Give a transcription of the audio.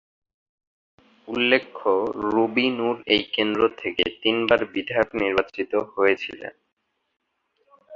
উল্লেখ্য, রুবি নুর এই কেন্দ্র থেকে তিন বার বিধায়ক নির্বাচিত হয়েছিলেন।